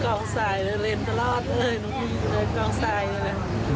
กองสายเลยเล่นตลอดเลยเมื่อกี้ก็เล่นกองสายเลย